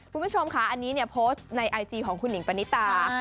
คุณผู้ชมค่ะอันนี้เนี่ยโพสต์ในไอจีของคุณหิงปณิตา